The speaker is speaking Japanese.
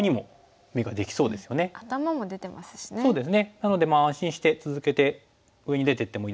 なので安心して続けて上に出ていってもいいですし。